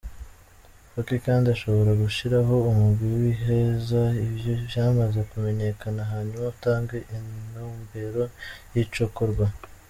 Faki kandi ashobora gushiraho umugwi wihweza ivyo vyamaze kumenyekana hanyuma utange intumbero y'icokorwa.